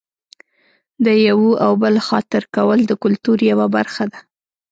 د یوه او بل خاطر کول د کلتور یوه برخه ده.